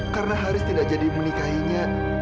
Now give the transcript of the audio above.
karena haris tidak jadi menikahinya